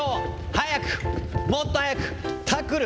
速く、もっと速く、タックル。